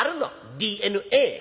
ＤＮＡ。